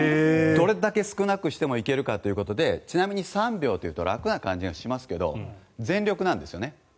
どれだけ少なくしても行けるかということでちなみに３秒というと楽な感じがしますけど全力なんですよね。